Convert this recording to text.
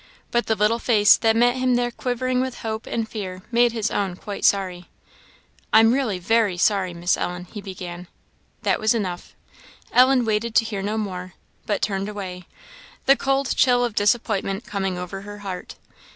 But the little face that met him there quivering with hope and fear made his own quite sober. "I'm really very sorry, Miss Ellen" he began. That was enough. Ellen waited to hear no more, but turned away, the cold chill of disappointment coming over her heart.